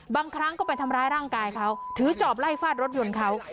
บางครั้งก็ไปทำร้ายร่างกายเขาถือจอบไล่ฟาดรถยนต์เขา